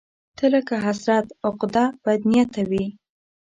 ته لکه حسرت، عقده، بدنيته وې